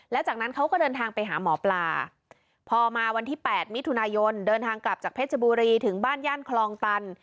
แล้วจากนั้นเขาก็เดินทางไปหาหมอปลาพอมาวันที่๘มิถุนายนเดินทางกลับจากเพชรบุรีถึงบ้านย่านคลองตัน